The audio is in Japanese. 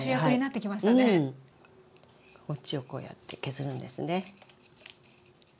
こっちをこうやって削るんですね。